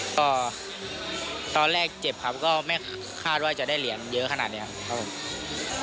ก็ตอนแรกเจ็บครับก็ไม่คาดว่าจะได้เหรียญเยอะขนาดนี้ครับผม